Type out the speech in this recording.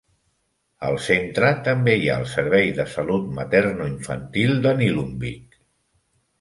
Al centre també hi ha el servei de salut materno-infantil de Nillumbik.